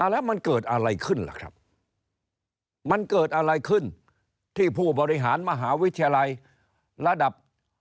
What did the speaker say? แล้วมันเกิดอะไรขึ้นล่ะครับมันเกิดอะไรขึ้นที่ผู้บริหารมหาวิทยาลัยระดับ